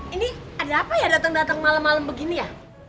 ini ada apa ya dateng dateng malem malem begini ya